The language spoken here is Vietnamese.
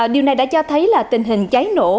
điều này đã cho thấy là tình hình cháy nổ